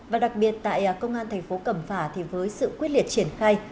và đặc biệt tại công an thành phố cẩm phả thì với sự quyết liệt triển khai